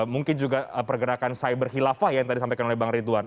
mungkin juga pergerakan cyber khilafah yang tadi disampaikan oleh bang ridwan